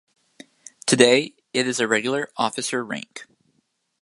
Today, it is a regular officer rank.